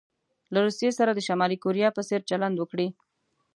له روسيې سره د شمالي کوریا په څیر چلند وکړي.